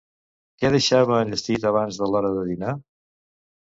Què deixava enllestit abans de l'hora de dinar?